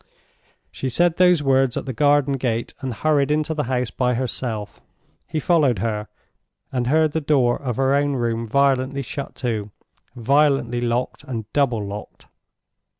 She said those words at the garden gate, and hurried into the house by herself. He followed her, and heard the door of her own room violently shut to, violently locked and double locked.